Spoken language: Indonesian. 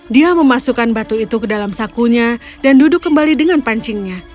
dia memasukkan batu itu ke dalam sakunya dan duduk kembali dengan pancingnya